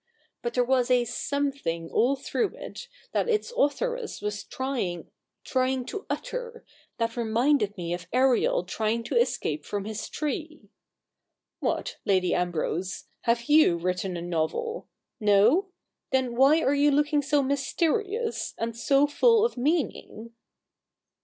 But there was a something all through it, that its authoress was trying — trying to utter, that reminded me of Ariel trying to escape from his tree. What, Lady Ambrose ! Have you written a novel ? No ? Then why are you looking so mysterious, and so full of meaning